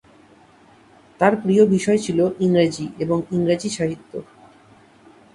তার প্রিয় বিষয় ছিল ইংরেজি এবং ইংরেজি সাহিত্য।